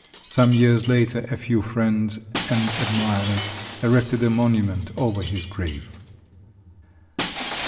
Some years later a few friends and admirers erected a monument over his grave.